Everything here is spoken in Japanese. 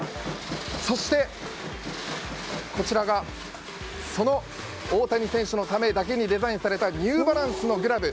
そして、こちらがその大谷選手のためだけにデザインされたニューバランスのグラブ。